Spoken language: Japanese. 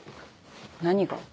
何が？